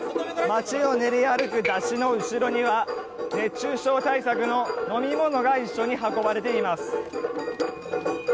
街を練り歩くだしの後ろには熱中症対策の飲み物が一緒に運ばれています。